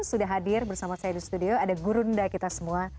sudah hadir bersama saya di studio ada gurunda kita semua